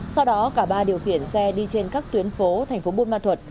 sau đó cả ba điều khiển xe đi trên các tuyến phố thành phố buôn ma thuật